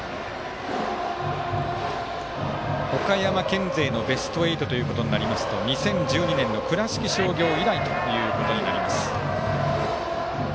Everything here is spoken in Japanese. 岡山県勢のベスト８ということになりますと２０１２年の倉敷商業以来ということになります。